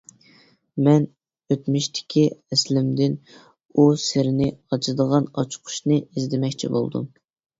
مەن ئۆتمۈشتىكى ئەسلىمىدىن ئۇ سىرنى ئاچىدىغان ئاچقۇچنى ئىزدىمەكچى بولدۇم.